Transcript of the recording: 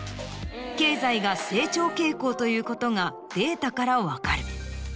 経済が成長傾向ということがデータから分かる。